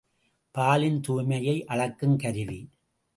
பாலின் துய்மையை அளக்கும் கருவி.